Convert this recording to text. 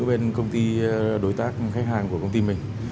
bên công ty đối tác khách hàng của công ty mình